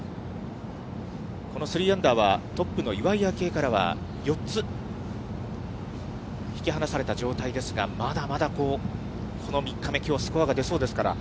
この３アンダーはトップの岩井明愛からは４つ引き離された状態ですが、まだまだこの３日目、きょうはスコアが出そうですから。